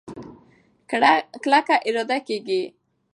ګړه کلکه ادا کېږي.